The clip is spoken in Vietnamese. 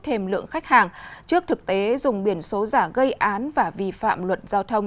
thêm lượng khách hàng trước thực tế dùng biển số giả gây án và vi phạm luật giao thông